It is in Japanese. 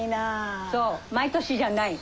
そう毎年じゃない。